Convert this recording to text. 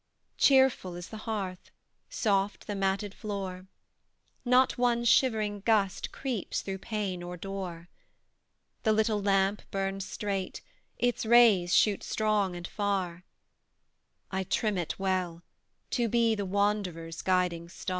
Cheerful is the hearth, soft the matted floor; Not one shivering gust creeps through pane or door; The little lamp burns straight, its rays shoot strong and far: I trim it well, to be the wanderer's guiding star.